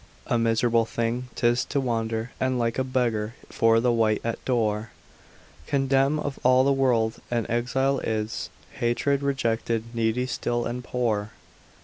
A miserable thing 'tis so to wander, And like a beggar for to whine at door, Contemn'd of all the world, an exile is, Hated, rejected, needy still and poor.